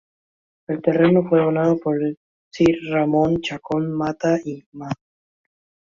El terreno fue donado por el Sr. Ramón Chacón Mata y Ma.